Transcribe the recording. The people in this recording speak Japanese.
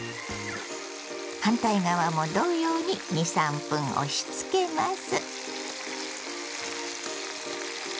反対側も同様に２３分押しつけます。